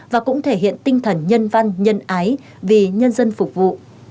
và cũng thể hiện tinh thần nhân văn nhân ái vì nhân dân phục vụ